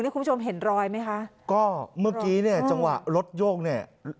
คุณผู้ชมเห็นรอยไหมคะก็เมื่อกี้เนี่ยจังหวะรถโยกเนี่ย